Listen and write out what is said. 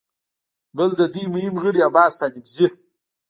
بل د دوی مهم غړي عباس ستانکزي